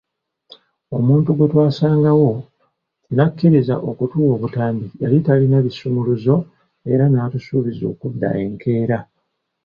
Omuntu gwe twasangawo n'akkiriza okutuwa obutambi yali talina bisumuluzo era n'atusuubizza okudda enkeera.